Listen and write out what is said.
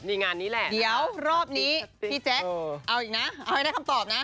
ในงานนี้แหละพี่แจ๊คเดี๋ยวรอบนี้เอาอีกนะเอาให้ได้คำตอบนะ